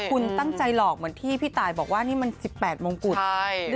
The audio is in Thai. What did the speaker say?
คุณตั้งใจหลอกเหมือนที่พี่ตายบอกว่านี่มัน๑๘มงกุฎ